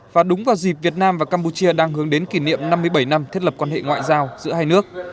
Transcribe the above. và đúng vào dịp việt nam và campuchia đang hướng đến kỷ niệm năm mươi bảy năm thiết lập quan hệ ngoại giao giữa hai nước